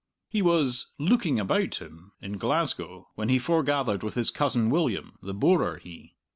He was "looking about him" in Glasgow when he forgathered with his cousin William the borer he!